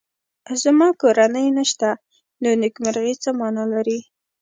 زما کورنۍ نشته نو نېکمرغي څه مانا لري